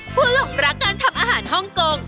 หลงรักการทำอาหารฮ่องกง